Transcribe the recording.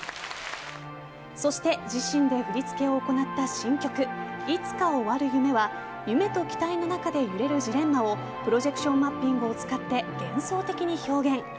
そして自身で振り付けを行った新曲「いつか終わる夢」は夢と期待の中で揺れるジレンマをプロジェクションマッピングを使って幻想的に表現。